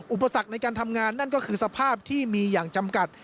อุปสรรคในการทำงานนั่นก็คือสภาพที่มีอย่างจำกัด